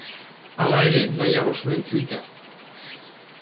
Hala ere, nahiago zuen Twitter.